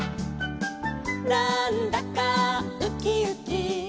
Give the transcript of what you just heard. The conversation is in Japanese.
「なんだかウキウキ」